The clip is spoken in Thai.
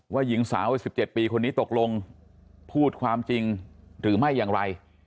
หญิงสาววัย๑๗ปีคนนี้ตกลงพูดความจริงหรือไม่อย่างไร